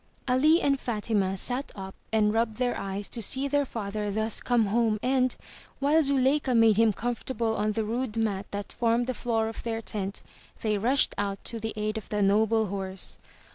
Ali and Fatima sat up and rubbed their eyes to see their father thus come home, and, while Zuleika made him comfortable on the rude mat that formed the floor of their tent, they rushed out to the aid of the noble horse.